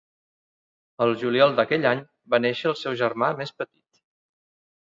El juliol d'aquell any va néixer el seu germà més petit.